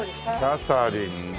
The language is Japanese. キャサリンだ。